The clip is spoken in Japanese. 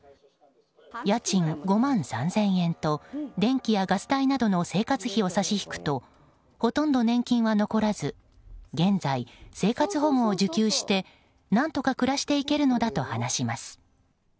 家賃５万３０００円と電気やガス代などの生活費を差し引くとほとんど年金は残らず現在、生活保護を受給して何とか暮らしていけるのだと話します。